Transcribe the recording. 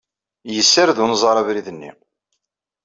Yessared unẓar abrid-nni.